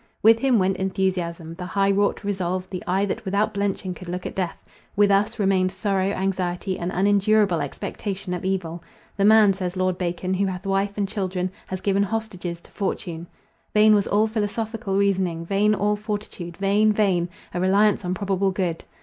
With him went enthusiasm, the high wrought resolve, the eye that without blenching could look at death. With us remained sorrow, anxiety, and unendurable expectation of evil. The man, says Lord Bacon, who hath wife and children, has given hostages to fortune. Vain was all philosophical reasoning—vain all fortitude—vain, vain, a reliance on probable good.